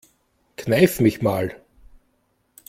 Kneif mich mal.